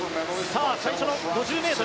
最初の５０ｍ。